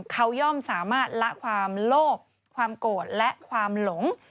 เขาย่อมสามารถละความโลภความโกรธและความหลง